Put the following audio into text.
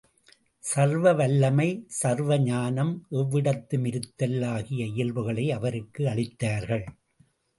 சர்வ வல்லமை, சர்வ ஞானம், எவ்விடத்தும் இருத்தல் ஆகிய இயல்புகளை அவருக்கு அளித் தார்கள்.